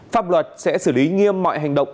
pháp luật sẽ xử lý nghiêm mọi hành động